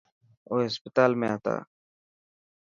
او هسپتال ۾ هتا.